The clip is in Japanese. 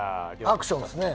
アクションですね。